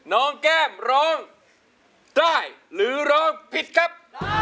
น้องแก้มร้องได้หรือร้องผิดครับ